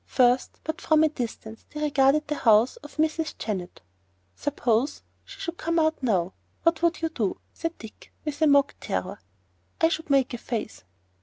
First, but from a distance, they regarded the house of Mrs. Jennett. "Suppose she should come out now, what would you do?" said Dick, with mock terror. "I should make a face."